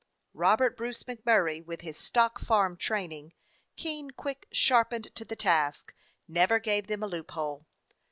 Robert Bruce MacMurray, with his stock farm training, keen, quick, sharpened to the task, never gave them a loophole.